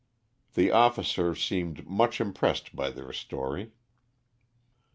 The officer seemed much impressed by their story.